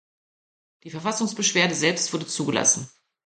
Die Verfassungsbeschwerde selbst wurde zugelassen.